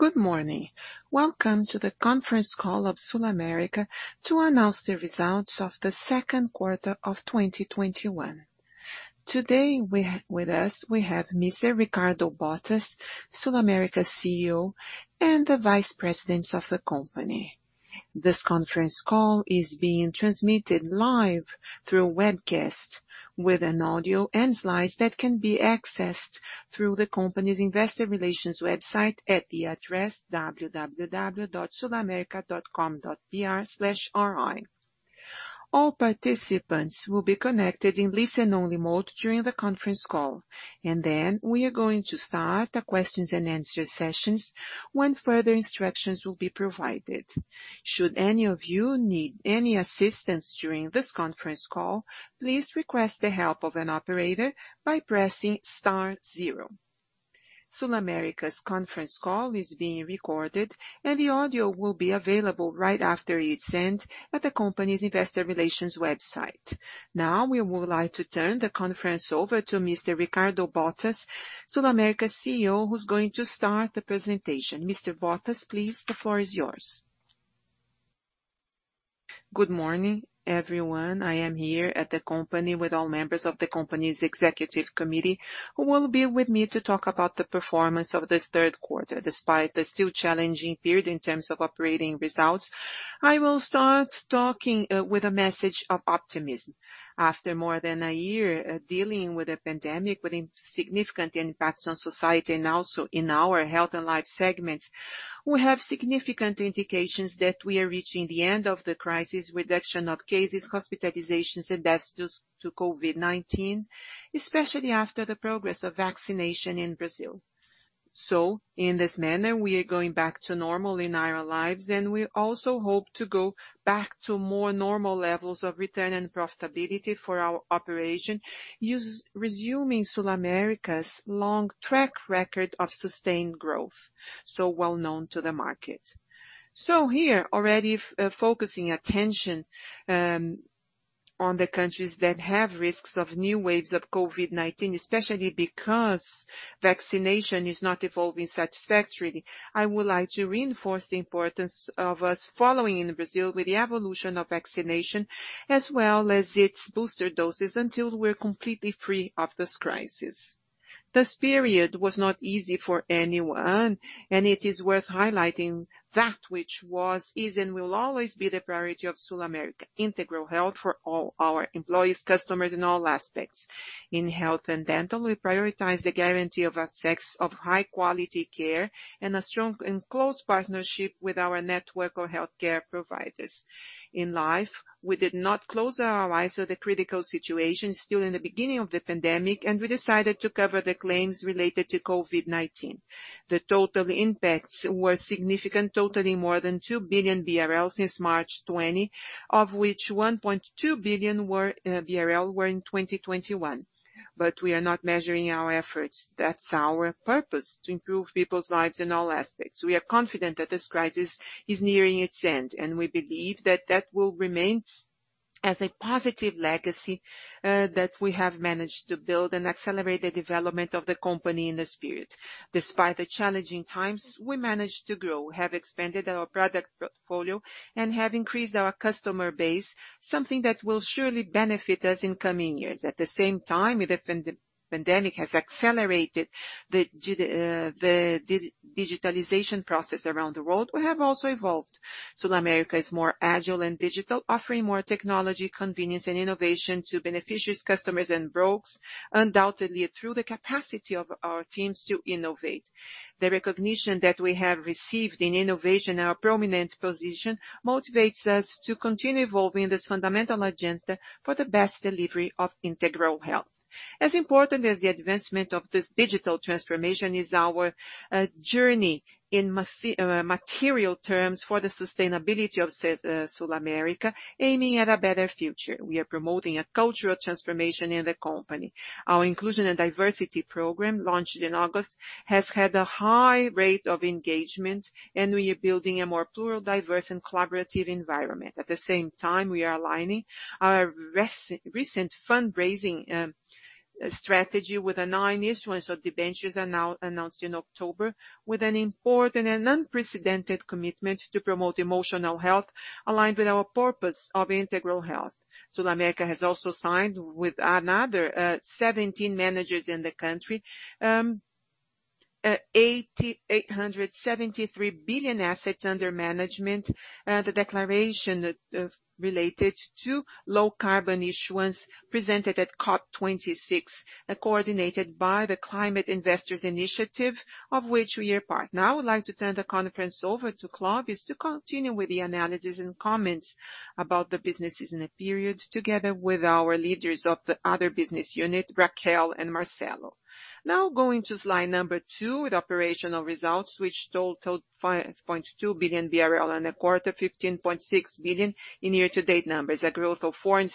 Good morning. Welcome to the conference call of SulAmérica to announce the results of the second quarter of 2021. Today we have with us Mr. Ricardo Bottas, SulAmérica CEO, and the vice presidents of the company. This conference call is being transmitted live through webcast with an audio and slides that can be accessed through the company's investor relations website at the address www.sulamerica.com.br/ri. All participants will be connected in listen only mode during the conference call. We are going to start the questions and answer sessions when further instructions will be provided. Should any of you need any assistance during this conference call, please request the help of an operator by pressing star zero. SulAmérica's conference call is being recorded, and the audio will be available right after its end at the company's investor relations website. Now, we would like to turn the conference over to Mr. Ricardo Bottas, SulAmérica CEO, who's going to start the presentation. Mr. Bottas, please, the floor is yours. Good morning, everyone. I am here at the company with all members of the company's executive committee who will be with me to talk about the performance of this third quarter. Despite the still challenging period in terms of operating results, I will start talking with a message of optimism. After more than a year dealing with the pandemic with significant impacts on society and also in our health and life segments, we have significant indications that we are reaching the end of the crisis, reduction of cases, hospitalizations, and deaths due to COVID-19, especially after the progress of vaccination in Brazil. In this manner, we are going back to normal in our lives, and we also hope to go back to more normal levels of return and profitability for our operation, us resuming SulAmérica's long track record of sustained growth so well-known to the market. Here already focusing attention on the countries that have risks of new waves of COVID-19, especially because vaccination is not evolving satisfactorily, I would like to reinforce the importance of us following in Brazil with the evolution of vaccination as well as its booster doses until we're completely free of this crisis. This period was not easy for anyone, and it is worth highlighting that which was, is, and will always be the priority of SulAmérica, integral health for all our employees, customers in all aspects. In health and dental, we prioritize the guarantee of access of high quality care and a strong and close partnership with our network of healthcare providers. In life, we did not close our eyes to the critical situation still in the beginning of the pandemic, and we decided to cover the claims related to COVID-19. The total impacts were significant, totaling more than 2 billion BRL since March 2020, of which 1.2 billion were in 2021. We are not measuring our efforts. That's our purpose, to improve people's lives in all aspects. We are confident that this crisis is nearing its end, and we believe that that will remain as a positive legacy that we have managed to build and accelerate the development of the company in this period. Despite the challenging times, we managed to grow. We have expanded our product portfolio and have increased our customer base, something that will surely benefit us in coming years. At the same time, the pandemic has accelerated the digitalization process around the world. We have also evolved. SulAmérica is more agile and digital, offering more technology, convenience, and innovation to beneficiaries, customers, and brokers, undoubtedly through the capacity of our teams to innovate. The recognition that we have received in innovation and our prominent position motivates us to continue evolving this fundamental agenda for the best delivery of integral health. As important as the advancement of this digital transformation is our journey in material terms for the sustainability of SulAmérica, aiming at a better future. We are promoting a cultural transformation in the company. Our inclusion and diversity program, launched in August, has had a high rate of engagement, and we are building a more plural, diverse, and collaborative environment. At the same time, we are aligning our recent fundraising strategy with a ninth issuance of debentures announced in October with an important and unprecedented commitment to promote emotional health aligned with our purpose of integral health. SulAmérica has also signed with another 17 managers in the country, 873 billion assets under management, the declaration related to low carbon issuance presented at COP26, coordinated by the Climate Investors Initiative of which we are part. Now I would like to turn the conference over to Clovis to continue with the analysis and comments about the businesses in the period together with our leaders of the other business unit, Raquel and Marcelo. Now going to slide number two with operational results, which total 5.2 billion BRL on the quarter, 15.6 billion in year-to-date numbers, a growth of 4% and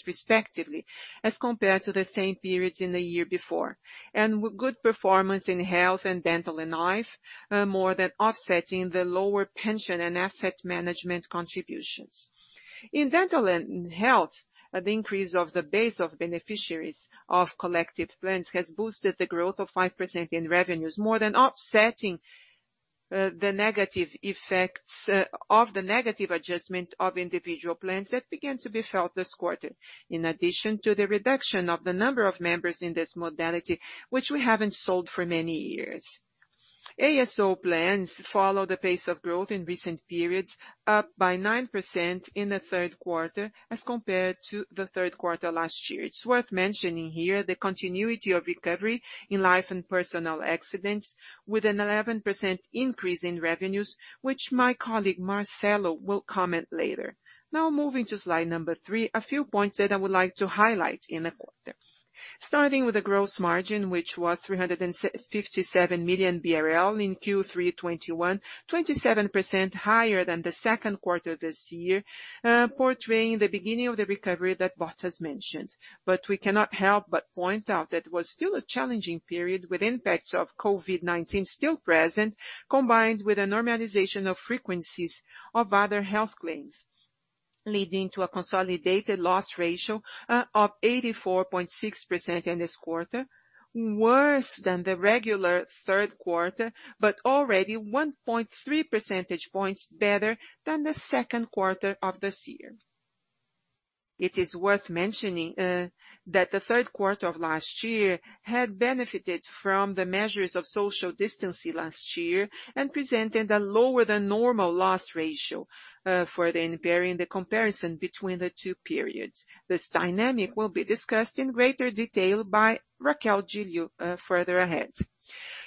6% respectively as compared to the same periods in the year before. Good performance in health and dental and life, more than offsetting the lower pension and asset management contributions. In dental and health, an increase of the base of beneficiaries of collective plans has boosted the growth of 5% in revenues, more than offsetting the negative effects of the negative adjustment of individual plans that began to be felt this quarter, in addition to the reduction of the number of members in this modality, which we haven't sold for many years. ASO plans follow the pace of growth in recent periods, up by 9% in the third quarter as compared to the third quarter last year. It's worth mentioning here the continuity of recovery in life and personal accidents with an 11% increase in revenues, which my colleague Marcelo will comment later. Now moving to slide 3, a few points that I would like to highlight in the quarter. Starting with the gross margin, which was 357 million BRL in Q3 2021, 27% higher than the second quarter this year, portraying the beginning of the recovery that Bottas mentioned. We cannot help but point out that it was still a challenging period with impacts of COVID-19 still present, combined with a normalization of frequencies of other health claims, leading to a consolidated loss ratio of 84.6% in this quarter, worse than the regular third quarter, but already 1.3 percentage points better than the second quarter of this year. It is worth mentioning that the third quarter of last year had benefited from the measures of social distancing last year and presented a lower than normal loss ratio bearing the comparison between the two periods. This dynamic will be discussed in greater detail by Raquel Giglio further ahead.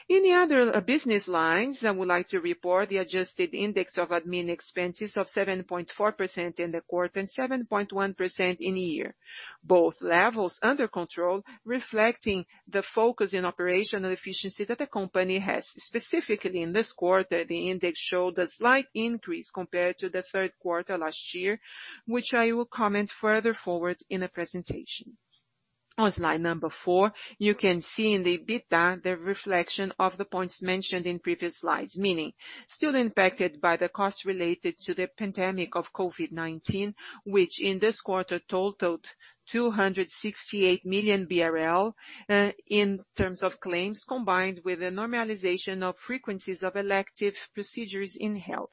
In the other business lines, I would like to report the adjusted index of admin expenses of 7.4% in the quarter, and 7.1% in the year. Both levels under control, reflecting the focus in operational efficiency that the company has. Specifically in this quarter, the index showed a slight increase compared to the third quarter last year, which I will comment further forward in the presentation. On slide number 4, you can see in the EBITDA the reflection of the points mentioned in previous slides, meaning still impacted by the costs related to the pandemic of COVID-19, which in this quarter totaled 268 million BRL in terms of claims, combined with a normalization of frequencies of elective procedures in health.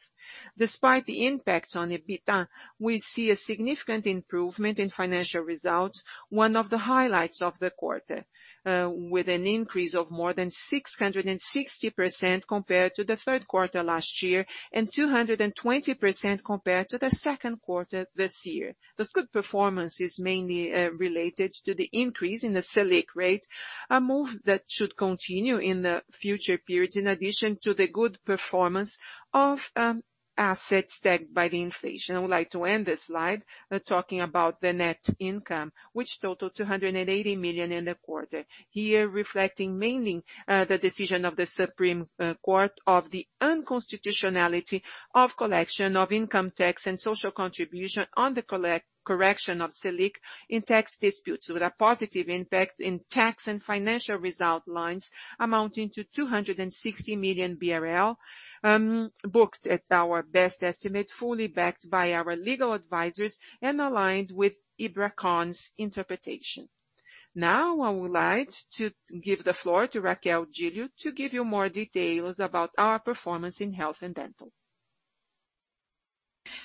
Despite the impact on EBITDA, we see a significant improvement in financial results, one of the highlights of the quarter, with an increase of more than 660% compared to the third quarter last year and 220% compared to the second quarter this year. This good performance is mainly related to the increase in the Selic rate, a move that should continue in the future periods, in addition to the good performance of assets hedged by the inflation. I would like to end this slide talking about the net income, which totaled 280 million in the quarter. Here reflecting mainly the decision of the Supreme Federal Court of the unconstitutionality of collection of income tax and social contribution on the correction of Selic in tax disputes, with a positive impact in tax and financial result lines amounting to 260 million BRL, booked at our best estimate, fully backed by our legal advisors and aligned with IBRACON's interpretation. Now, I would like to give the floor to Raquel Giglio to give you more details about our performance in health and dental.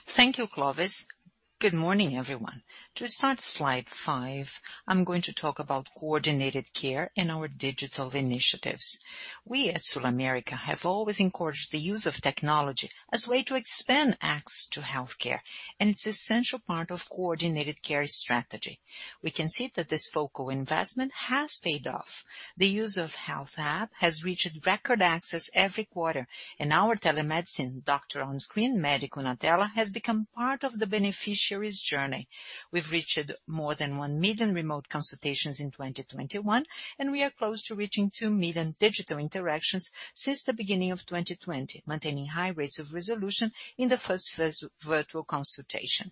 Thank you, Clovis. Good morning, everyone. To start slide 5, I'm going to talk about coordinated care and our digital initiatives. We at SulAmérica have always encouraged the use of technology as a way to expand access to healthcare, and it's an essential part of coordinated care strategy. We can see that this focused investment has paid off. The use of health app has reached record access every quarter, and our telemedicine doctor on screen, Médico na Tela, has become part of the beneficiary's journey. We've reached more than 1 million remote consultations in 2021, and we are close to reaching 2 million digital interactions since the beginning of 2020, maintaining high rates of resolution in the first phys-virtual consultation.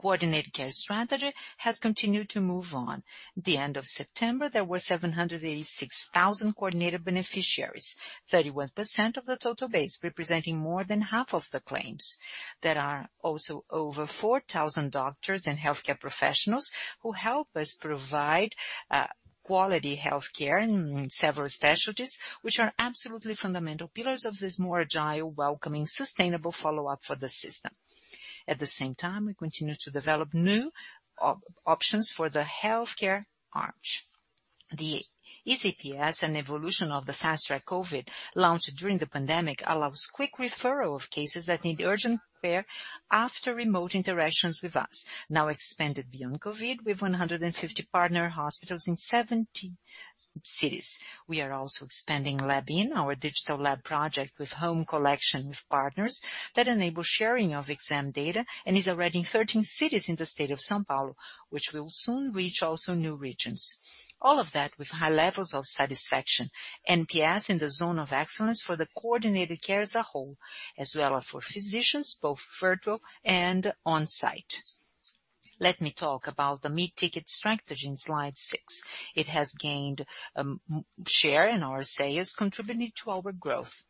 Coordinated care strategy has continued to move on. The end of September, there were 786,000 coordinated beneficiaries, 31% of the total base, representing more than half of the claims. There are also over 4,000 doctors and healthcare professionals who help us provide quality healthcare in several specialties, which are absolutely fundamental pillars of this more agile, welcoming, sustainable follow-up for the system. At the same time, we continue to develop new options for the healthcare arch. The ECPS, an evolution of the fast track COVID, launched during the pandemic, allows quick referral of cases that need urgent care after remote interactions with us, now expanded beyond COVID with 150 partner hospitals in 70 cities. We are also expanding Lab IN, our digital lab project with home collection with partners that enable sharing of exam data and is already in 13 cities in the state of São Paulo, which will soon reach also new regions. All of that with high levels of satisfaction. NPS in the zone of excellence for the coordinated care as a whole, as well as for physicians, both virtual and on-site. Let me talk about the mid-ticket strategy in slide 6. It has gained market share in our sales, contributing to our growth.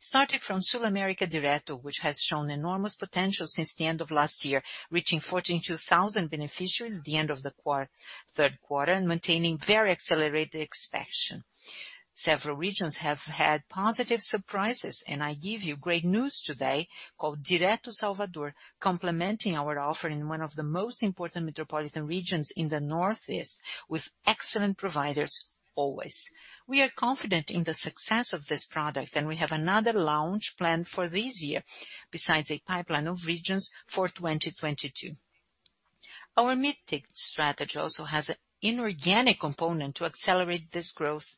Starting from SulAmérica Direto, which has shown enormous potential since the end of last year, reaching 142,000 beneficiaries at the end of the third quarter and maintaining very accelerated expansion. Several regions have had positive surprises, and I give you great news today called Direto Salvador, complementing our offer in one of the most important metropolitan regions in the northeast with excellent providers, always. We are confident in the success of this product, and we have another launch planned for this year, besides a pipeline of regions for 2022. Our mid-ticket strategy also has an inorganic component to accelerate this growth.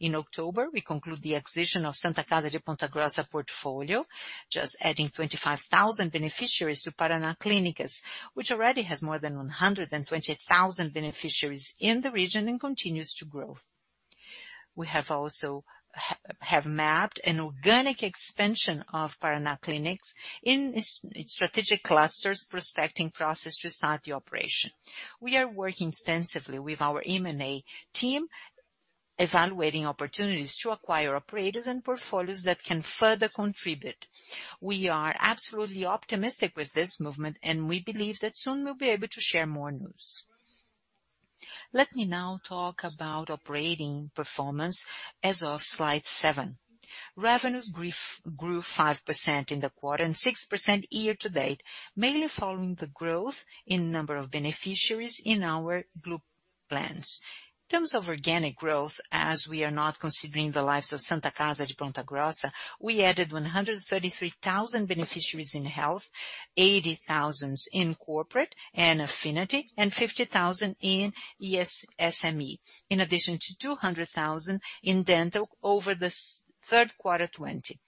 In October, we concluded the acquisition of Santa Casa de Ponta Grossa portfolio, just adding 25,000 beneficiaries to Paraná Clínicas, which already has more than 120,000 beneficiaries in the region and continues to grow. We have also have mapped an organic expansion of Paraná Clínicas in strategic clusters prospecting process to start the operation. We are working extensively with our M&A team, evaluating opportunities to acquire operators and portfolios that can further contribute. We are absolutely optimistic with this movement, and we believe that soon we'll be able to share more news. Let me now talk about operating performance as of slide 7. Revenues grew 5% in the quarter and 6% year to date, mainly following the growth in number of beneficiaries in our group plans. In terms of organic growth, as we are not considering the lives of Santa Casa de Ponta Grossa, we added 133,000 beneficiaries in health, 80,000 in corporate and affinity, and 50,000 in SME, in addition to 200,000 in dental over the third quarter 2020.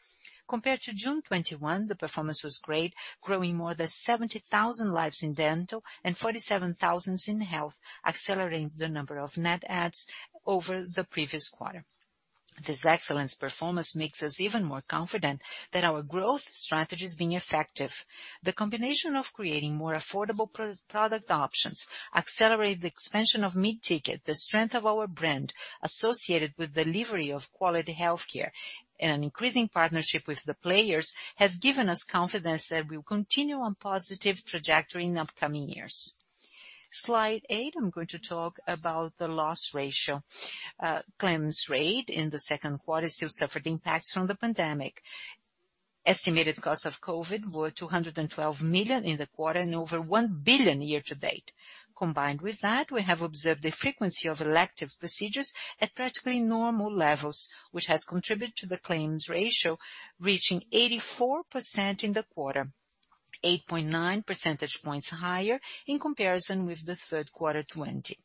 Compared to June 2021, the performance was great, growing more than 70,000 lives in dental and 47,000 in health, accelerating the number of net adds over the previous quarter. This excellent performance makes us even more confident that our growth strategy is being effective. The combination of creating more affordable product options, accelerate the expansion of mid-ticket, the strength of our brand associated with delivery of quality health care and an increasing partnership with the players, has given us confidence that we'll continue on positive trajectory in upcoming years. Slide 8, I'm going to talk about the loss ratio. Claims rate in the second quarter still suffered impacts from the pandemic. Estimated cost of COVID were 212 million in the quarter and over 1 billion year to date. Combined with that, we have observed a frequency of elective procedures at practically normal levels, which has contributed to the claims ratio reaching 84% in the quarter, 8.9 percentage points higher in comparison with the third quarter 2020.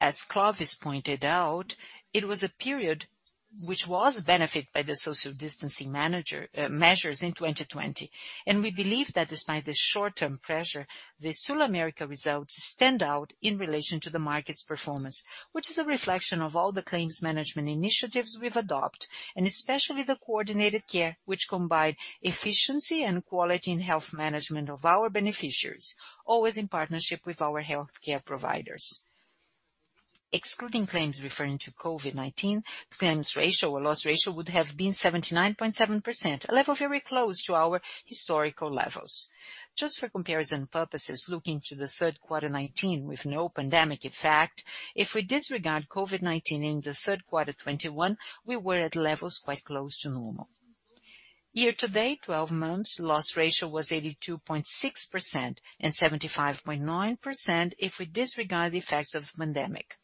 As Clovis pointed out, it was a period which was benefited by the social distancing mandatory measures in 2020. We believe that despite the short-term pressure, the SulAmérica results stand out in relation to the market's performance, which is a reflection of all the claims management initiatives we've adopted, and especially the coordinated care which combines efficiency and quality in health management of our beneficiaries, always in partnership with our healthcare providers. Excluding claims referring to COVID-19, claims ratio or loss ratio would have been 79.7%, a level very close to our historical levels. Just for comparison purposes, looking to the third quarter 2019 with no pandemic effect, if we disregard COVID-19 in the third quarter 2021, we were at levels quite close to normal. Year to date, 12 months, loss ratio was 82.6% and 75.9% if we disregard the effects of the pandemic.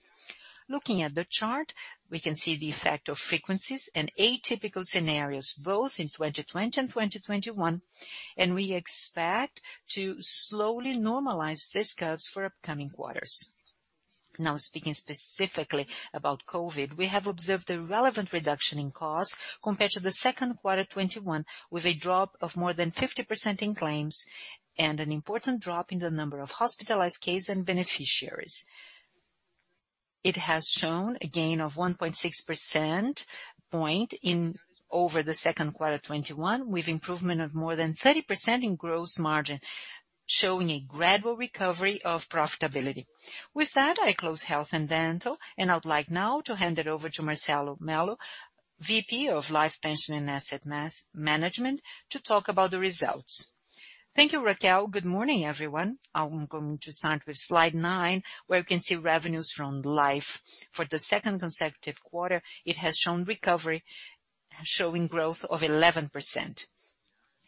Looking at the chart, we can see the effect of frequencies and atypical scenarios, both in 2020 and 2021, and we expect to slowly normalize these curves for upcoming quarters. Now speaking specifically about COVID, we have observed a relevant reduction in cost compared to the second quarter 2021, with a drop of more than 50% in claims and an important drop in the number of hospitalized cases and beneficiaries. It has shown a gain of 1.6 percentage points over the second quarter 2021, with improvement of more than 30% in gross margin, showing a gradual recovery of profitability. With that, I close health and dental, and I'd like now to hand it over to Marcelo Mello, VP of Life, Pension and Asset Management, to talk about the results. Thank you, Raquel. Good morning, everyone. I'm going to start with slide 9, where we can see revenues from Life. For the second consecutive quarter, it has shown recovery, showing growth of 11%.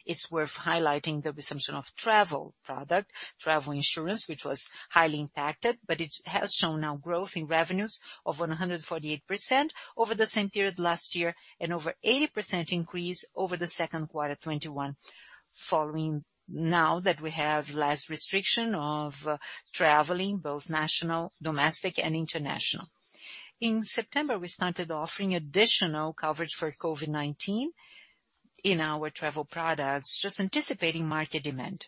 It's worth highlighting the resumption of travel product, travel insurance, which was highly impacted, but it has shown now growth in revenues of 148% over the same period last year and over 80% increase over the second quarter 2021. Following now that we have less restriction of traveling, both national, domestic and international. In September, we started offering additional coverage for COVID-19 in our travel products, just anticipating market demand.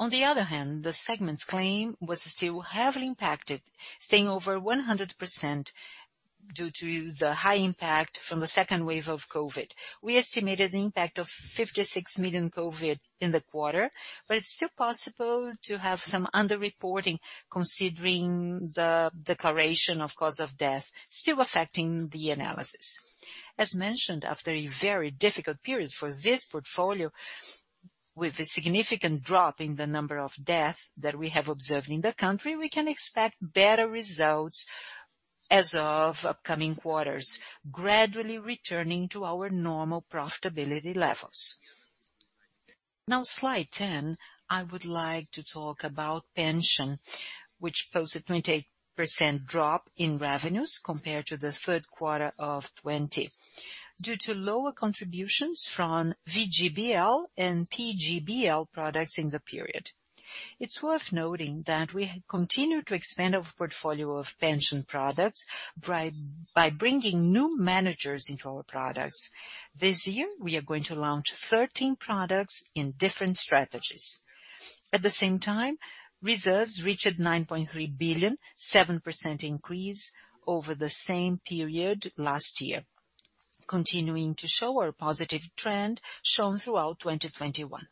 On the other hand, the segment's claim was still heavily impacted, staying over 100% due to the high impact from the second wave of COVID. We estimated the impact of 56 million COVID in the quarter, but it's still possible to have some underreporting considering the declaration of cause of death still affecting the analysis. As mentioned, after a very difficult period for this portfolio, with a significant drop in the number of deaths that we have observed in the country, we can expect better results as of upcoming quarters, gradually returning to our normal profitability levels. Now, slide 10, I would like to talk about pension, which posted 28% drop in revenues compared to the third quarter of 2020, due to lower contributions from VGBL and PGBL products in the period. It's worth noting that we have continued to expand our portfolio of pension products by bringing new managers into our products. This year, we are going to launch 13 products in different strategies. At the same time, reserves reached 9.3 billion, 7% increase over the same period last year, continuing to show our positive trend shown throughout 2021.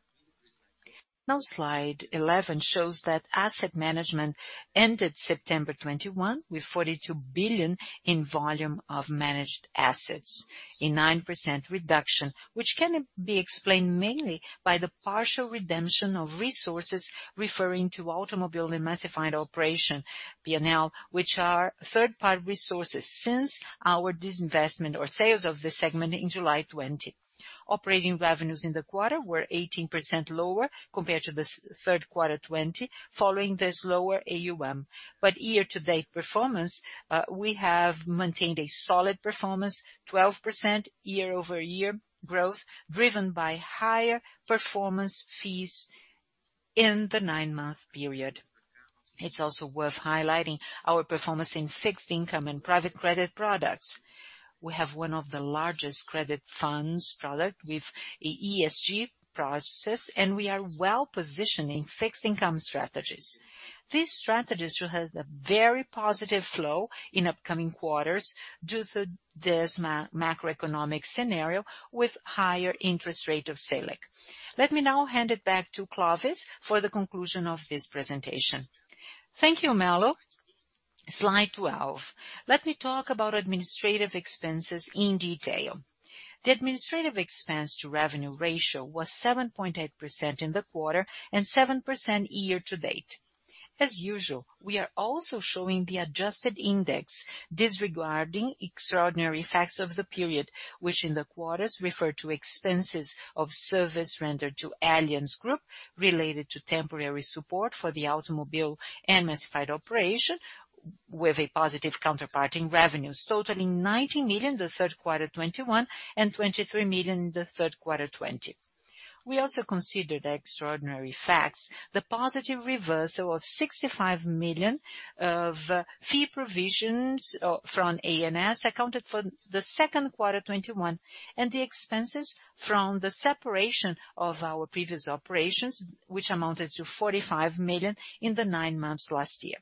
Now, slide 11 shows that asset management ended September 2021 with 42 billion in volume of managed assets, a 9% reduction, which can be explained mainly by the partial redemption of resources referring to automobile and massified operation P&L, which are third-party resources since our disinvestment or sales of the segment in July 2020. Operating revenues in the quarter were 18% lower compared to the third quarter 2020, following the slower AUM. Year-to-date performance, we have maintained a solid performance, 12% year-over-year growth, driven by higher performance fees in the nine-month period. It's also worth highlighting our performance in fixed income and private credit products. We have one of the largest credit funds product with ESG processes, and we are well-positioned in fixed income strategies. These strategies will have a very positive flow in upcoming quarters due to this macroeconomic scenario with higher interest rate of Selic. Let me now hand it back to Clovis for the conclusion of this presentation. Thank you, Melo. Slide 12. Let me talk about administrative expenses in detail. The administrative expense to revenue ratio was 7.8% in the quarter and 7% year-to-date. As usual, we are also showing the adjusted index, disregarding extraordinary effects of the period, which in the quarters refer to expenses of service rendered to Allianz Group related to temporary support for the automobile and massified operation, with a positive counterpart in revenues totaling 90 million in Q3 2021 and 23 million in Q3 2020. We also considered extraordinary facts, the positive reversal of 65 million of fee provisions from ANS accounted for Q2 2021, and the expenses from the separation of our previous operations, which amounted to 45 million in the nine months last year.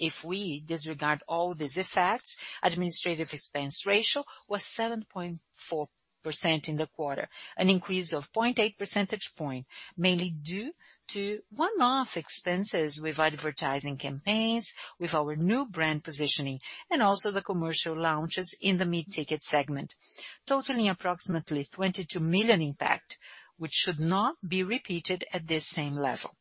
If we disregard all these effects, administrative expense ratio was 7.4% in the quarter, an increase of 0.8 percentage point, mainly due to one-off expenses with advertising campaigns, with our new brand positioning, and also the commercial launches in the mid-ticket segment, totaling approximately 22 million impact, which should not be repeated at this same level.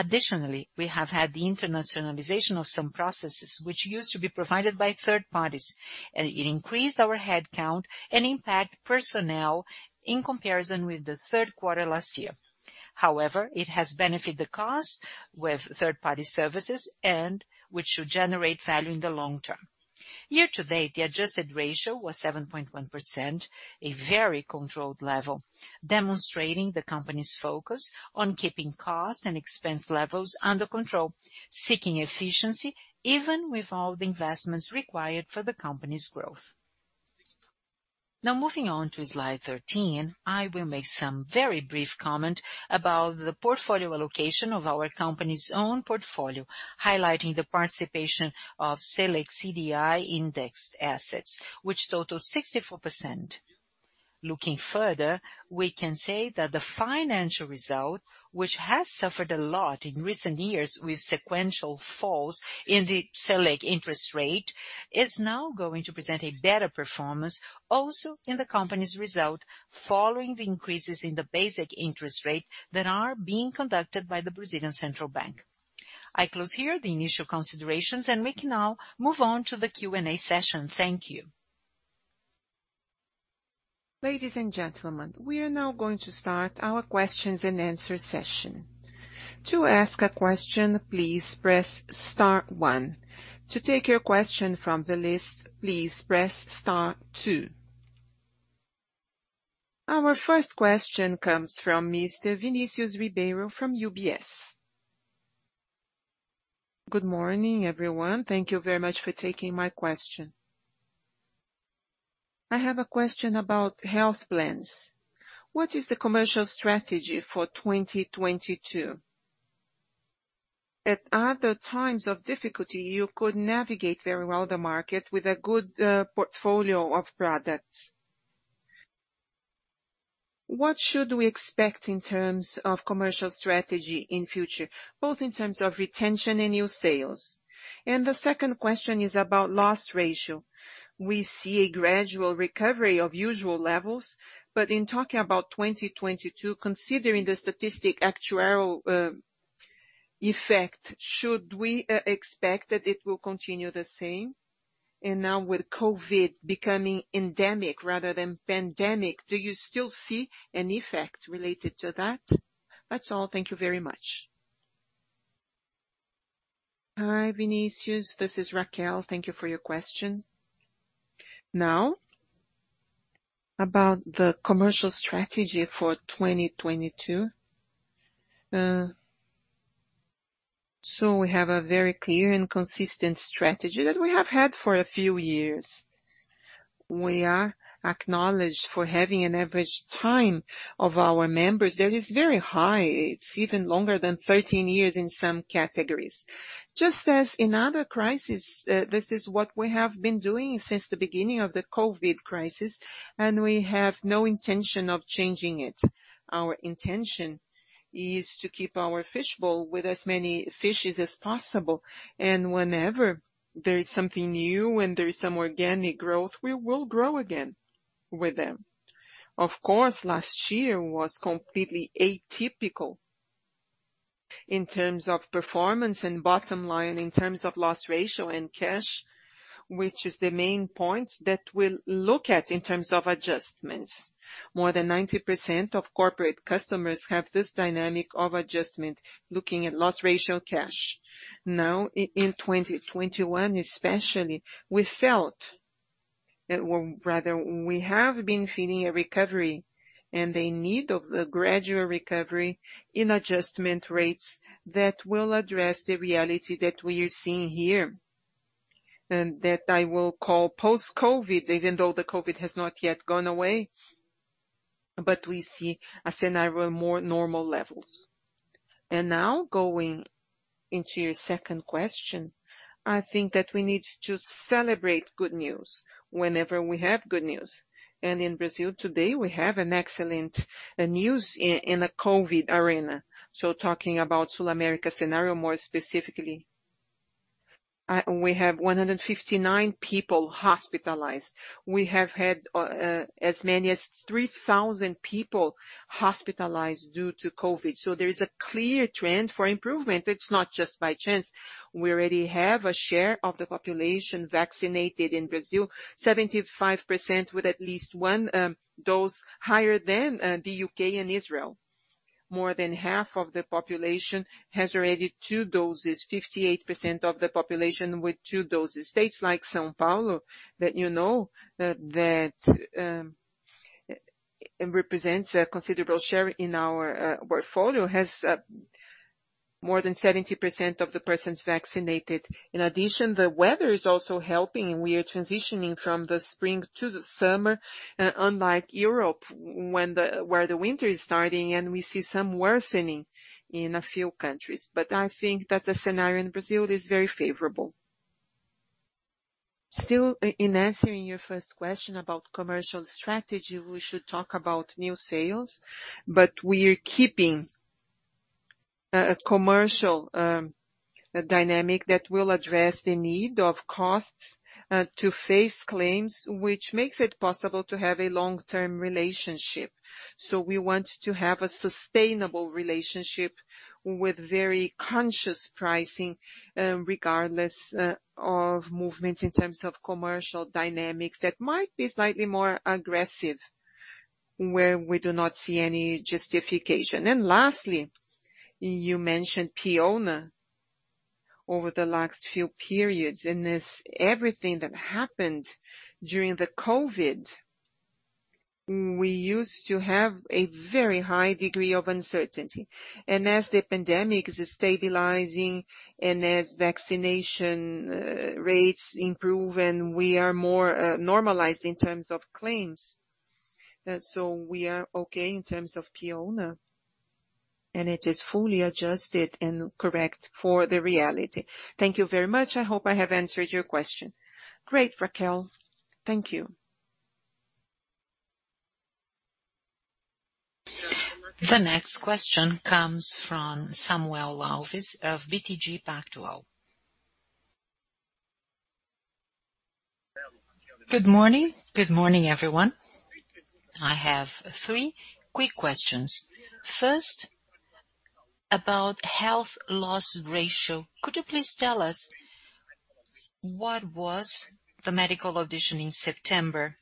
Additionally, we have had the internationalization of some processes which used to be provided by third parties. It increased our headcount and impacted personnel in comparison with the third quarter last year. However, it has benefited the costs with third-party services, which should generate value in the long term. Year to date, the adjusted ratio was 7.1%, a very controlled level, demonstrating the company's focus on keeping costs and expense levels under control, seeking efficiency even with all the investments required for the company's growth. Now, moving on to slide 13, I will make some very brief comment about the portfolio allocation of our company's own portfolio, highlighting the participation of Selic CDI indexed assets, which total 64%. Looking further, we can say that the financial result, which has suffered a lot in recent years with sequential falls in the Selic interest rate, is now going to present a better performance also in the company's result following the increases in the basic interest rate that are being conducted by the Brazilian Central Bank. I close here the initial considerations, and we can now move on to the Q&A session. Thank you. Ladies and gentlemen, we are now going to start our questions and answer session. To ask a question, please press star one. To take your question from the list, please press star two. Our first question comes from Mr. Vinicius Ribeiro from UBS. Good morning, everyone. Thank you very much for taking my question. I have a question about health plans. What is the commercial strategy for 2022? At other times of difficulty, you could navigate very well the market with a good portfolio of products. What should we expect in terms of commercial strategy in future, both in terms of retention and new sales? The second question is about loss ratio. We see a gradual recovery of usual levels, but in talking about 2022, considering the statistical actuarial effect, should we expect that it will continue the same? Now with COVID becoming endemic rather than pandemic, do you still see an effect related to that? That's all. Thank you very much. Hi, Vinicius. This is Raquel. Thank you for your question. Now, about the commercial strategy for 2022. We have a very clear and consistent strategy that we have had for a few years. We are acknowledged for having an average time of our members that is very high. It's even longer than 13 years in some categories. Just as in other crisis, this is what we have been doing since the beginning of the COVID crisis, and we have no intention of changing it. Our intention is to keep our fishbowl with as many fishes as possible, and whenever there is something new and there is some organic growth, we will grow again with them. Of course, last year was completely atypical in terms of performance and bottom line, in terms of loss ratio and cash, which is the main point that we'll look at in terms of adjustments. More than 90% of corporate customers have this dynamic of adjustment looking at loss ratio cash. Now in 2021 especially, we have been feeling a recovery and the need of a gradual recovery in adjustment rates that will address the reality that we are seeing here, and that I will call post-COVID, even though the COVID has not yet gone away, but we see a scenario more normal levels. Now going into your second question, I think that we need to celebrate good news whenever we have good news. In Brazil today, we have an excellent news in the COVID arena. So talking about SulAmérica scenario, more specifically, we have 159 people hospitalized. We have had as many as 3,000 people hospitalized due to COVID. So there is a clear trend for improvement. It's not just by chance. We already have a share of the population vaccinated in Brazil, 75% with at least one dose, higher than the U.K. and Israel. More than half of the population has already two doses, 58% of the population with two doses. States like São Paulo that you know that represents a considerable share in our portfolio has more than 70% of the persons vaccinated. In addition, the weather is also helping. We are transitioning from the spring to the summer, unlike Europe, where the winter is starting and we see some worsening in a few countries. I think that the scenario in Brazil is very favorable. Still, in answering your first question about commercial strategy, we should talk about new sales, but we are keeping a commercial dynamic that will address the need of cost to face claims, which makes it possible to have a long-term relationship. We want to have a sustainable relationship with very conscious pricing, regardless of movements in terms of commercial dynamics that might be slightly more aggressive where we do not see any justification. Lastly, you mentioned PEONA over the last few periods. In this, everything that happened during the COVID, we used to have a very high degree of uncertainty. As the pandemic is stabilizing and as vaccination rates improve and we are more normalized in terms of claims, we are okay in terms of PEONA, and it is fully adjusted and correct for the reality. Thank you very much. I hope I have answered your question. Great, Raquel. Thank you. The next question comes from Samuel Alves of BTG Pactual. Good morning. Good morning, everyone. I have three quick questions. First, about health loss ratio. Could you please tell us what was the medical utilization in September?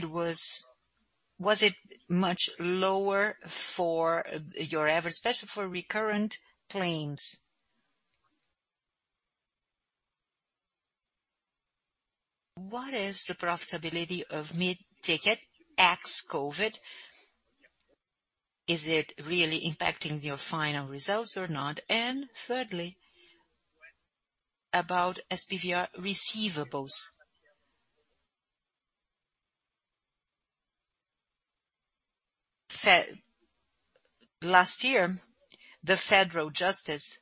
Was it much lower than your average, especially for recurrent claims? What is the profitability of mid-ticket ex-COVID? Is it really impacting your final results or not? Thirdly, about SFH receivables. Last year, the federal justice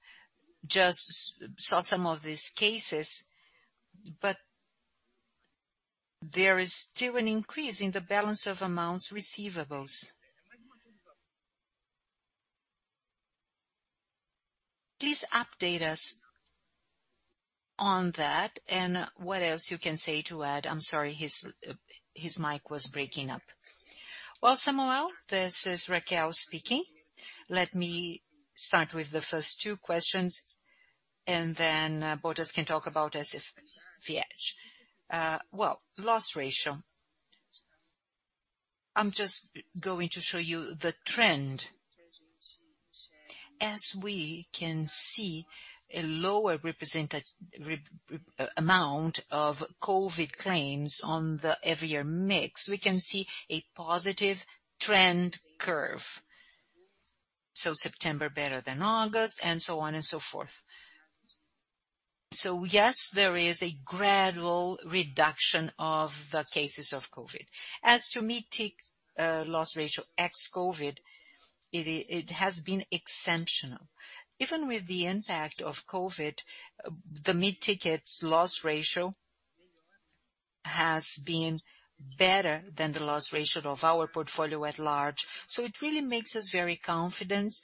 just saw some of these cases, but there is still an increase in the balance of amounts receivables. Please update us on that and what else you can say to add. I'm sorry, his mic was breaking up. Well, Samuel, this is Raquel speaking. Let me start with the first two questions, and then Bottas can talk about SFH. Loss ratio. I'm just going to show you the trend. As we can see, a lower amount of COVID claims in the overall mix, we can see a positive trend curve. September better than August, and so on and so forth. Yes, there is a gradual reduction of the cases of COVID. As to mid-ticket, loss ratio ex-COVID, it has been exceptional. Even with the impact of COVID, the mid-tickets loss ratio has been better than the loss ratio of our portfolio at large. It really makes us very confident.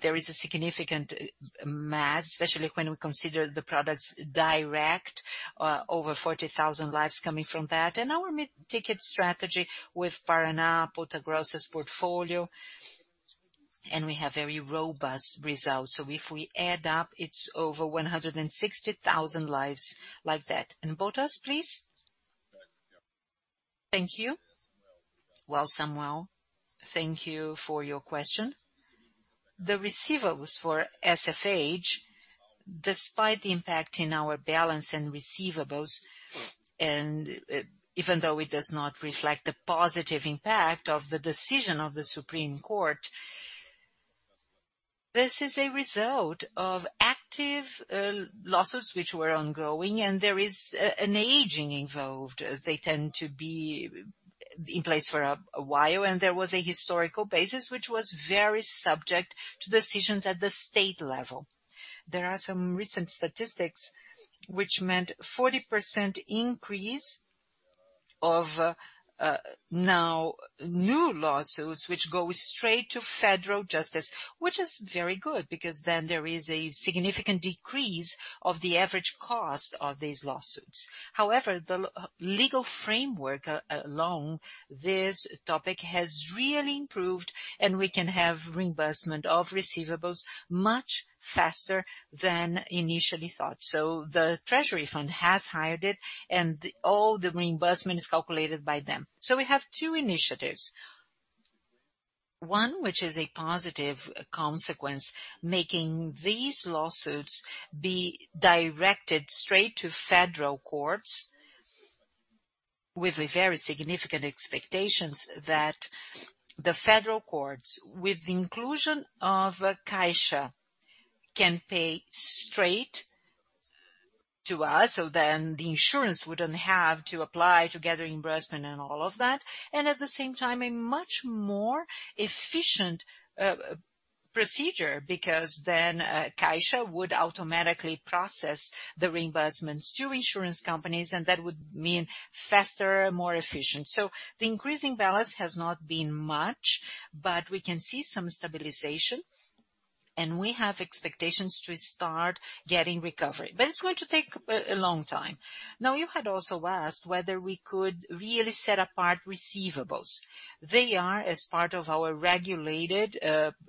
There is a significant mass, especially when we consider the products Direto, over 40,000 lives coming from that. Our mid-ticket strategy with Paraná, Ponta Grossa's portfolio, and we have very robust results. If we add up, it's over 160,000 lives like that. Bottas, please. Thank you. Well, Samuel, thank you for your question. The receivables for SFH, despite the impact in our balance and receivables, and even though it does not reflect the positive impact of the decision of the Supreme Court, this is a result of active lawsuits which were ongoing, and there is an aging involved. They tend to be in place for a while, and there was a historical basis, which was very subject to decisions at the state level. There are some recent statistics which mean 40% increase of now new lawsuits, which go straight to federal justice, which is very good because then there is a significant decrease of the average cost of these lawsuits. However, the legal framework along this topic has really improved, and we can have reimbursement of receivables much faster than initially thought. The Treasury Fund has hired it, and all the reimbursement is calculated by them. We have two initiatives. One, which is a positive consequence, making these lawsuits be directed straight to federal courts with very significant expectations that the federal courts, with the inclusion of Caixa, can pay straight to us, so then the insurance wouldn't have to apply to get a reimbursement and all of that. At the same time, a much more efficient procedure, because then Caixa would automatically process the reimbursements to insurance companies, and that would mean faster, more efficient. The increasing balance has not been much, but we can see some stabilization, and we have expectations to start getting recovery. It's going to take a long time. Now, you had also asked whether we could really set apart receivables. They are as part of our regulated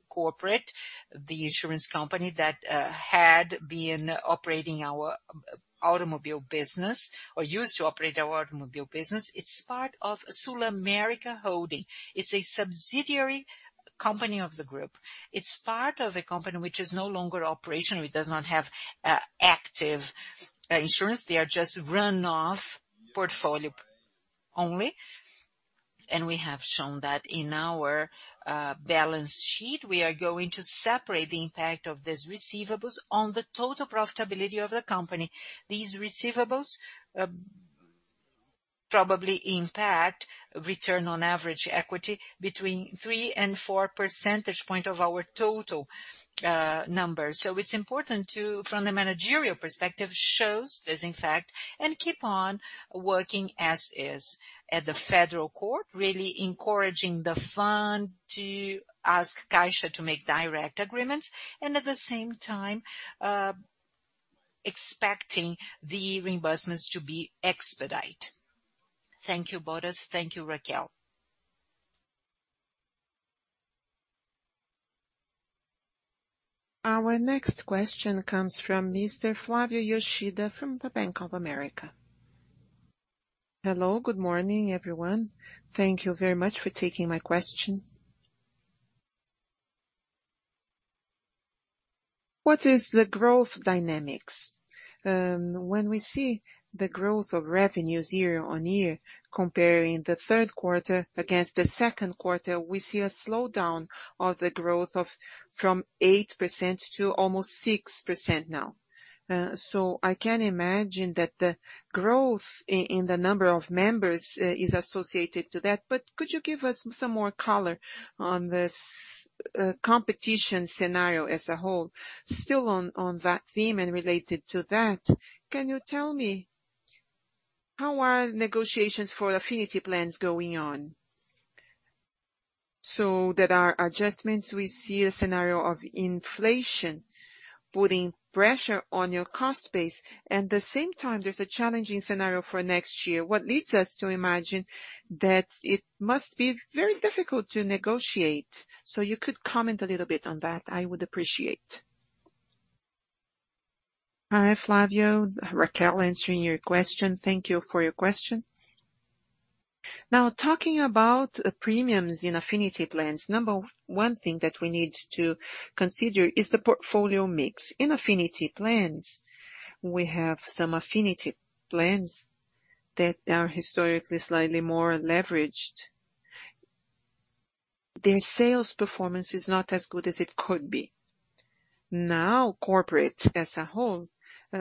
corporate, the insurance company that had been operating our automobile business or used to operate our automobile business. It's part of SulAmérica Holding. It's a subsidiary company of the group. It's part of a company which is no longer operational. It does not have active insurance. They are just run-off portfolio only, and we have shown that in our balance sheet. We are going to separate the impact of these receivables on the total profitability of the company. These receivables probably impact return on average equity between 3 and 4 percentage points of our total numbers. It's important to, from the managerial perspective, shows this in fact, and keep on working as is at the federal court, really encouraging the fund to ask Caixa to make direct agreements, and at the same time, expecting the reimbursements to be expedite. Thank you, Bottas. Thank you, Raquel. Our next question comes from Mr. Flávio Yoshida from the Bank of America. Hello, good morning, everyone. Thank you very much for taking my question. What is the growth dynamics? When we see the growth of revenues year-on-year comparing the third quarter against the second quarter, we see a slowdown of the growth of, from 8% to almost 6% now. So I can imagine that the growth in the number of members is associated to that. But could you give us some more color on this competition scenario as a whole? Still on that theme and related to that, can you tell me how are negotiations for affinity plans going on? There are adjustments. We see a scenario of inflation putting pressure on your cost base. At the same time, there's a challenging scenario for next year. What leads us to imagine that it must be very difficult to negotiate. You could comment a little bit on that. I would appreciate. Hi, Flávio. Raquel answering your question. Thank you for your question. Now, talking about premiums in affinity plans, number one thing that we need to consider is the portfolio mix. In affinity plans, we have some affinity plans that are historically slightly more leveraged. Their sales performance is not as good as it could be. Now, corporate as a whole,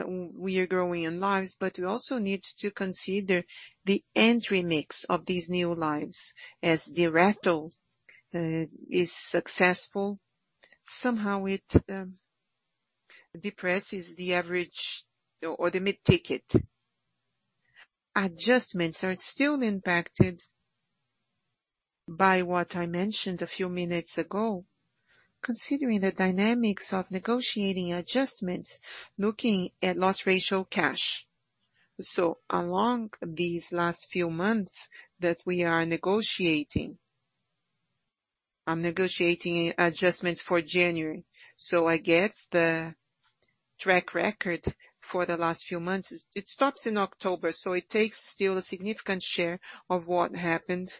we are growing in lives, but we also need to consider the entry mix of these new lives. As Direto is successful, somehow it depresses the average or the mid-ticket. Adjustments are still impacted by what I mentioned a few minutes ago, considering the dynamics of negotiating adjustments, looking at loss ratio cash. Along these last few months that we are negotiating, I'm negotiating adjustments for January, so I get the track record for the last few months. It stops in October, so it takes still a significant share of what happened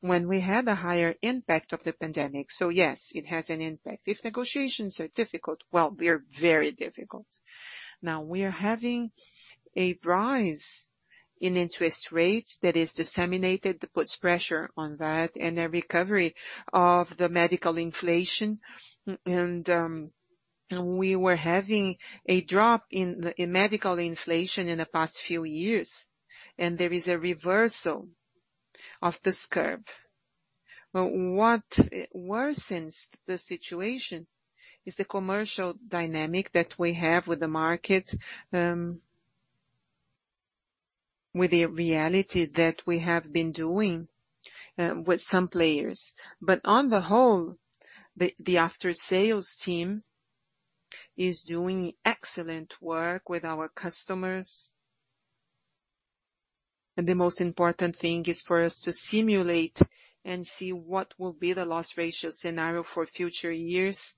when we had a higher impact of the pandemic. Yes, it has an impact. If negotiations are difficult, well, they're very difficult. Now we are having a rise in interest rates that is disseminated, that puts pressure on that and a recovery of the medical inflation. We were having a drop in medical inflation in the past few years, and there is a reversal of this curve. What worsens the situation is the commercial dynamic that we have with the market, with the reality that we have been doing, with some players. On the whole, the after-sales team is doing excellent work with our customers. The most important thing is for us to simulate and see what will be the loss ratio scenario for future years.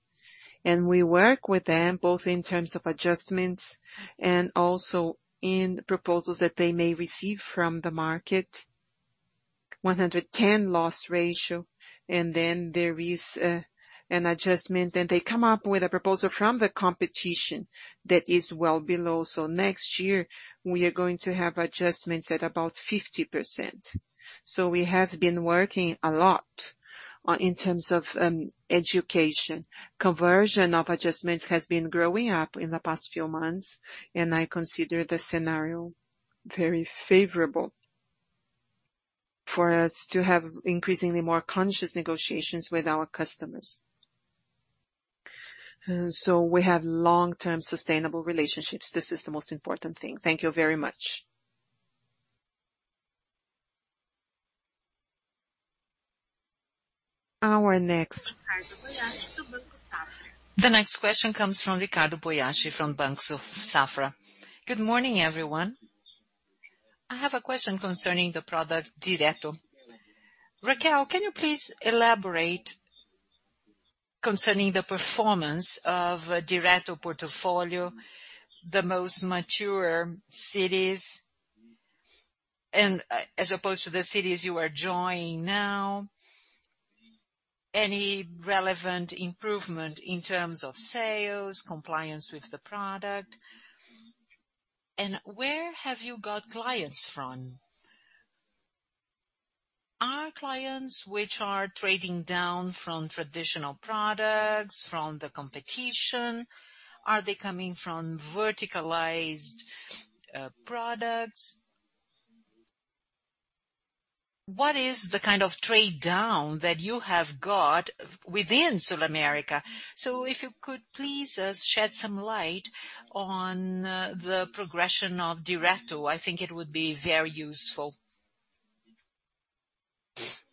We work with them both in terms of adjustments and also in proposals that they may receive from the market. 110 loss ratio, and then there is an adjustment, and they come up with a proposal from the competition that is well below. Next year we are going to have adjustments at about 50%. We have been working a lot in terms of education. Conversion of adjustments has been growing up in the past few months, and I consider the scenario very favorable for us to have increasingly more conscious negotiations with our customers. We have long-term sustainable relationships. This is the most important thing. Thank you very much. Our next- Ricardo Boiati from Banco Safra. The next question comes from Ricardo Boiati, from Banco Safra. Good morning, everyone. I have a question concerning the product Direto. Raquel, can you please elaborate concerning the performance of a Direto portfolio, the most mature cities and, as opposed to the cities you are joining now, any relevant improvement in terms of sales, compliance with the product, and where have you got clients from? Are clients which are trading down from traditional products from the competition, are they coming from verticalized, products? What is the kind of trade-down that you have got within SulAmérica? If you could please, shed some light on, the progression of Direto, I think it would be very useful.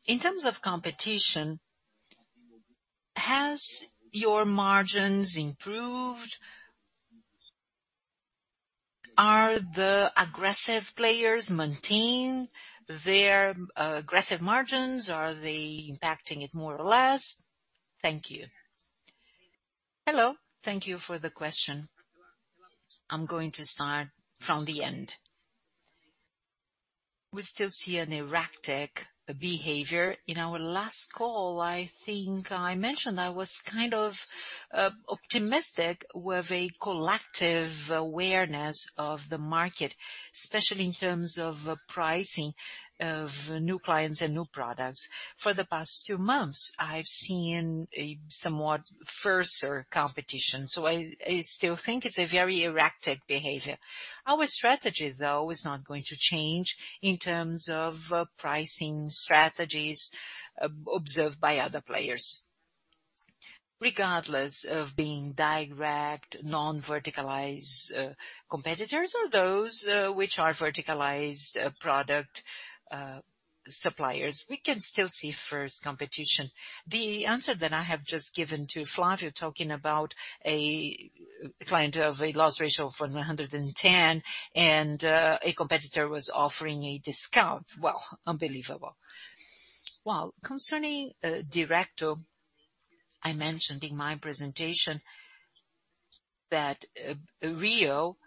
In terms of competition, has your margins improved? Are the aggressive players maintain their, aggressive margins? Are they impacting it more or less? Thank you. Hello. Thank you for the question. I'm going to start from the end. We still see an erratic behavior. In our last call, I think I mentioned I was kind of optimistic with a collective awareness of the market, especially in terms of pricing of new clients and new products. For the past two months, I've seen a somewhat fiercer competition, so I still think it's a very erratic behavior. Our strategy, though, is not going to change in terms of pricing strategies observed by other players. Regardless of being Direto non-verticalized competitors or those which are verticalized product suppliers, we can still see fierce competition. The answer that I have just given to Flávio, talking about a client of a loss ratio of 110 and a competitor was offering a discount. Well, unbelievable. Well, concerning Direto, I mentioned in my presentation that Rio is,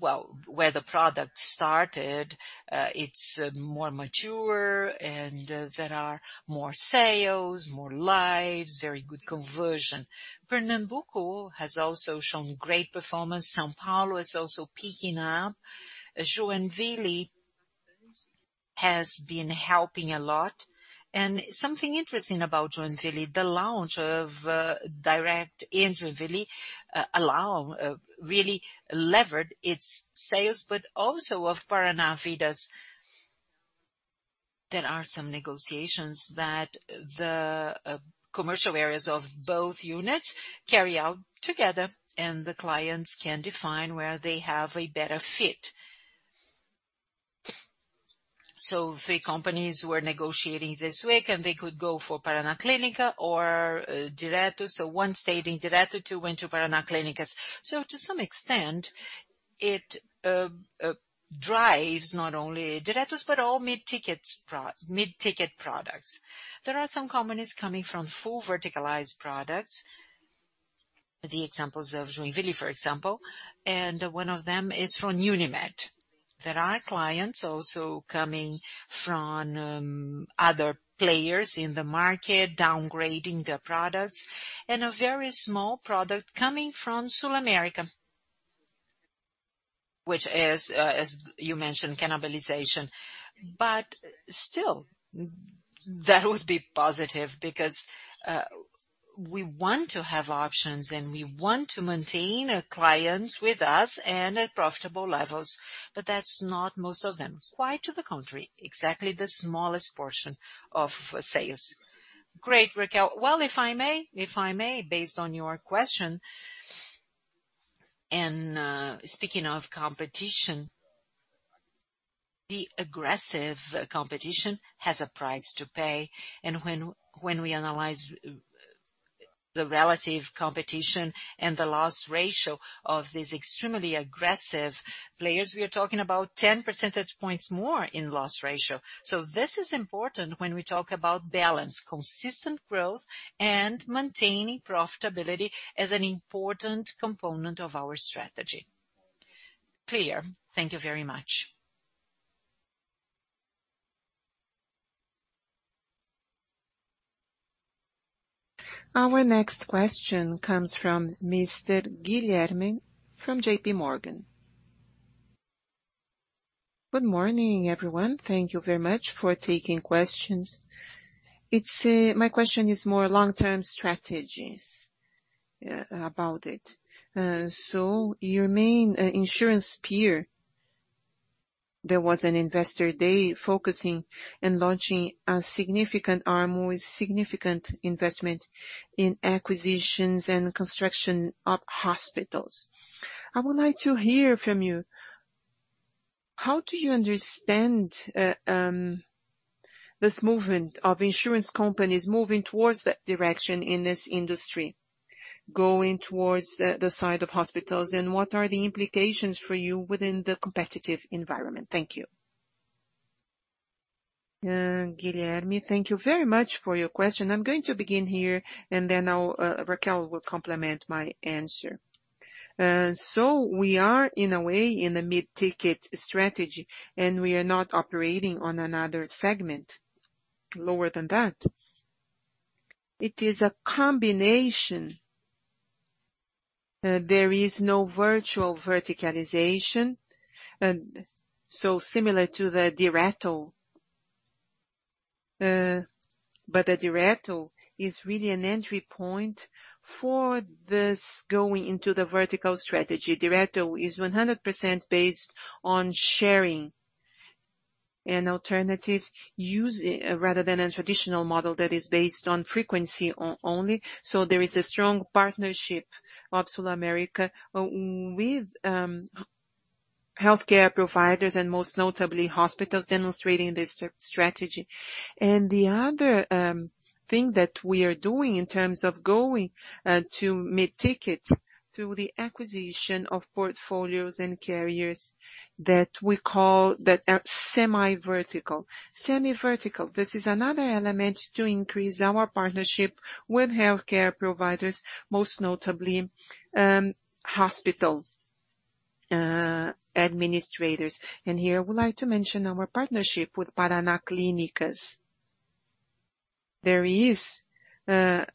well, where the product started, it's more mature and there are more sales, more lives, very good conversion. Pernambuco has also shown great performance. São Paulo is also picking up. Joinville has been helping a lot. Something interesting about Joinville, the launch of Direto in Joinville allow really levered its sales, but also of Paraná Clínicas. There are some negotiations that the commercial areas of both units carry out together, and the clients can define where they have a better fit. Three companies were negotiating this week and they could go for Paraná Clínicas or Direto. One stayed in Direto, two went to Paraná Clínicas. To some extent, it drives not only Diretos, but all mid-ticket products. There are some companies coming from full verticalized products. The examples of Joinville, for example, and one of them is from Unimed. There are clients also coming from other players in the market downgrading their products, and a very small product coming from SulAmérica, which is, as you mentioned, cannibalization. But still, that would be positive because we want to have options and we want to maintain our clients with us and at profitable levels. But that's not most of them. Quite to the contrary, exactly the smallest portion of sales. Great, Raquel. Well, if I may, based on your question and speaking of competition, the aggressive competition has a price to pay. When we analyze the relative competition and the loss ratio of these extremely aggressive players, we are talking about 10 percentage points more in loss ratio. This is important when we talk about balance, consistent growth and maintaining profitability as an important component of our strategy. Clear. Thank you very much. Our next question comes from Mr. Guilherme from JPMorgan. Good morning, everyone. Thank you very much for taking questions. It's my question is more long-term strategies about it. Your main insurance peer, there was an investor day focusing and launching a significant ARMO with significant investment in acquisitions and construction of hospitals. I would like to hear from you, how do you understand this movement of insurance companies moving towards that direction in this industry, going towards the side of hospitals? And what are the implications for you within the competitive environment? Thank you. Guilherme, thank you very much for your question. I'm going to begin here, and then I'll, Raquel will complement my answer. So we are, in a way, in a mid-ticket strategy, and we are not operating on another segment lower than that. It is a combination. There is no virtual verticalization. So similar to the Direto. But the Direto is really an entry point for this going into the vertical strategy. Direto is 100% based on sharing an alternative rather than a traditional model that is based on frequency only. So there is a strong partnership of SulAmérica with healthcare providers and most notably hospitals demonstrating this strategy. The other thing that we are doing in terms of going to mid-ticket through the acquisition of portfolios and carriers that we call, that are semi-vertical. Semi-vertical, this is another element to increase our partnership with healthcare providers, most notably, hospital administrators. Here, I would like to mention our partnership with Paraná Clínicas. There is a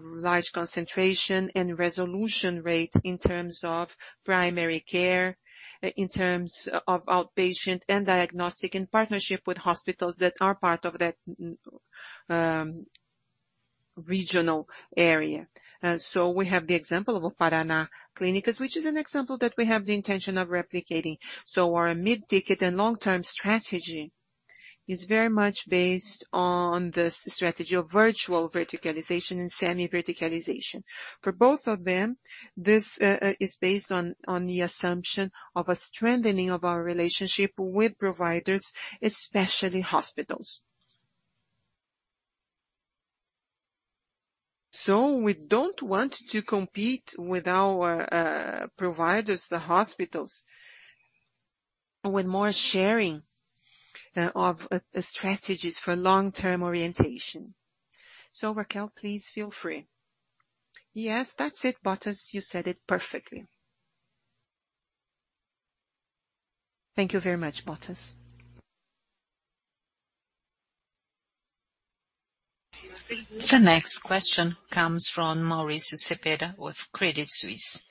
large concentration and resolution rate in terms of primary care, in terms of outpatient and diagnostic, in partnership with hospitals that are part of that regional area. We have the example of Paraná Clínicas, which is an example that we have the intention of replicating. Our mid-ticket and long-term strategy is very much based on this strategy of virtual verticalization and semi-verticalization. For both of them, this is based on the assumption of a strengthening of our relationship with providers, especially hospitals. We don't want to compete with our providers, the hospitals, with more sharing of strategies for long-term orientation. Raquel, please feel free. Yes, that's it, Bottas. You said it perfectly. Thank you very much, Bottas. The next question comes from Mauricio Cepeda with Credit Suisse.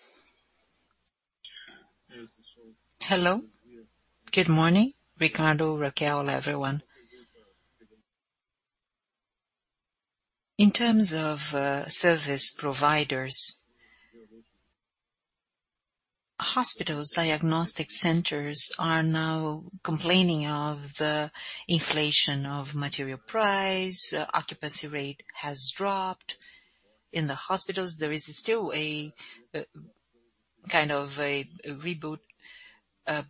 Hello. Good morning, Ricardo, Raquel, everyone. In terms of service providers, hospitals, diagnostic centers are now complaining of the inflation of material price, occupancy rate has dropped. In the hospitals, there is still a kind of a reboot demand.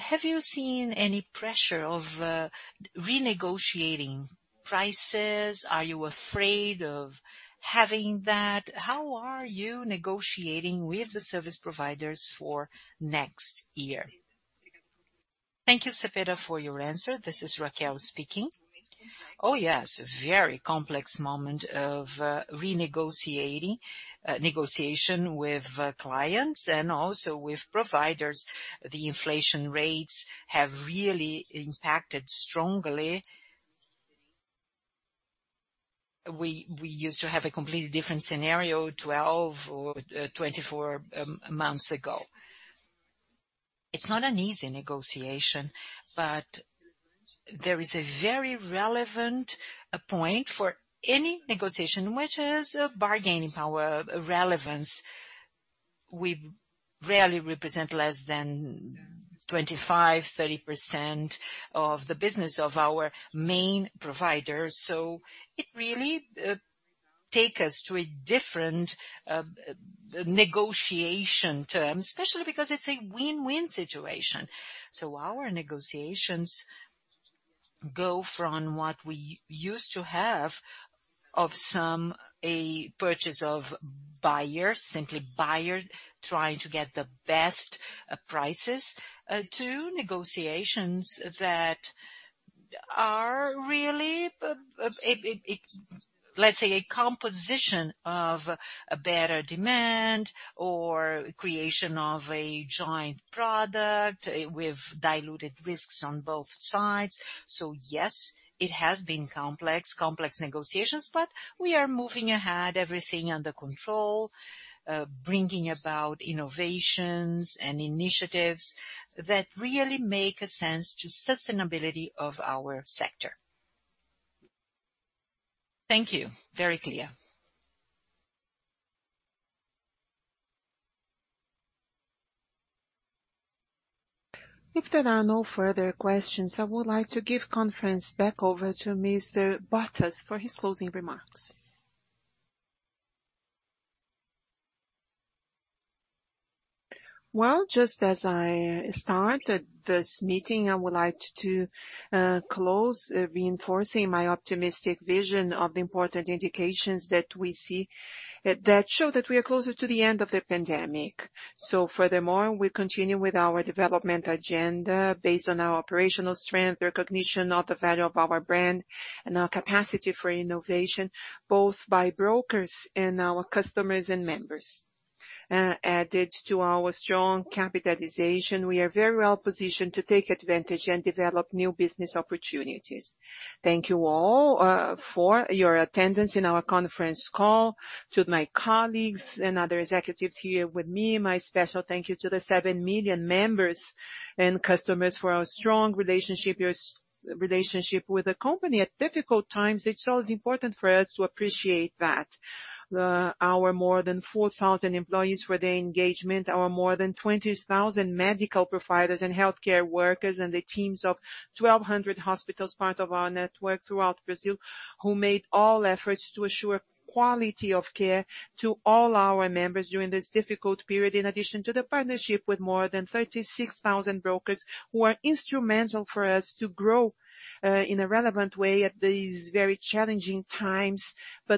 Have you seen any pressure of renegotiating prices? Are you afraid of having that? How are you negotiating with the service providers for next year? Thank you, Cepeda, for your answer. This is Raquel speaking. Oh, yes, a very complex moment of renegotiating negotiation with clients and also with providers. The inflation rates have really impacted strongly. We used to have a completely different scenario 12 or 24 months ago. It's not an easy negotiation, but there is a very relevant point for any negotiation, which is a bargaining power relevance. We rarely represent less than 25, 30% of the business of our main providers. It really take us to a different negotiation term, especially because it's a win-win situation. Our negotiations go from what we used to have of a purchase of buyers, simply buyer trying to get the best prices, to negotiations that are really let's say, a composition of a better demand or creation of a joint product with diluted risks on both sides. Yes, it has been complex negotiations, but we are moving ahead, everything under control, bringing about innovations and initiatives that really make a sense to sustainability of our sector. Thank you. Very clear. If there are no further questions, I would like to give conference back over to Mr. Bottas for his closing remarks. Well, just as I started this meeting, I would like to close reinforcing my optimistic vision of the important indications that we see that show that we are closer to the end of the pandemic. Furthermore, we continue with our development agenda based on our operational strength, recognition of the value of our brand, and our capacity for innovation, both by brokers and our customers and members. Added to our strong capitalization, we are very well-positioned to take advantage and develop new business opportunities. Thank you all for your attendance in our conference call. To my colleagues and other executives here with me, my special thank you to the 7 million members and customers for our strong relationship, your relationship with the company at difficult times. It's always important for us to appreciate that. Our more than 4,000 employees for their engagement, our more than 20,000 medical providers and healthcare workers and the teams of 1,200 hospitals, part of our network throughout Brazil, who made all efforts to assure quality of care to all our members during this difficult period. In addition to the partnership with more than 36,000 brokers who are instrumental for us to grow in a relevant way at these very challenging times.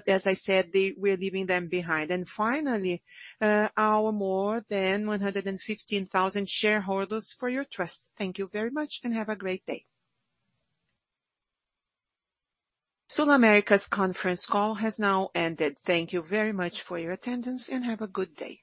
As I said, we're leaving them behind. Finally, our more than 115,000 shareholders for your trust. Thank you very much and have a great day. SulAmérica's conference call has now ended. Thank you very much for your attendance, and have a good day.